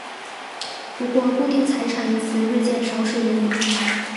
不过固定财产一词日渐少使用了。